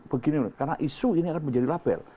begini karena isu ini akan menjadi label